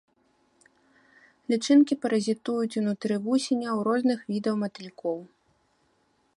Лічынкі паразітуюць унутры вусеняў розных відаў матылькоў.